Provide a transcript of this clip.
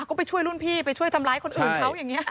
ก็ไปช่วยรุ่นพี่ไปช่วยทำร้ายคนอื่นเขาอย่างนี้